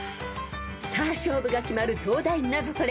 ［さあ勝負が決まる東大ナゾトレ］